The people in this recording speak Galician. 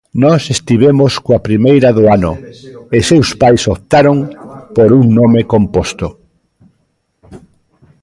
Nós estivemos coa primeira do ano, e seus pais optaron por un nome composto.